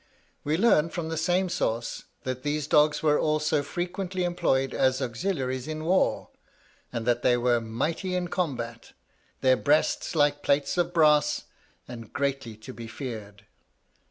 We learn from the same source that these dogs were also frequently employed as auxiliaries in war, and that they were 'mighty in combat, their breasts like plates of brass, and greatly to be feared.'